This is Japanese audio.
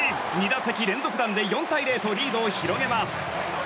２打席連続弾で４対０とリードを広げます。